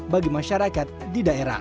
bagi masyarakat di daerah